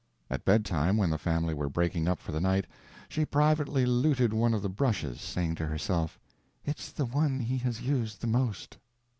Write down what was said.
At bedtime, when the family were breaking up for the night, she privately looted one of the brushes, saying to herself, "It's the one he has used, the most."